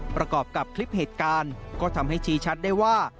ประกอบกับคลิปเหตุการณ์ก็ทำให้ชี้ชัดได้ว่า